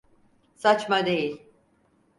Saçma değil.